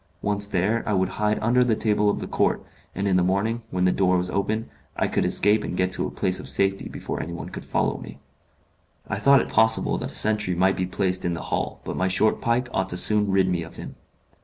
Once there, I would hide under the table of the court, and in the morning, when the door was opened, I could escape and get to a place of safety before anyone could follow me. I thought it possible that a sentry might be placed in the hall, but my short pike ought to soon rid me of him.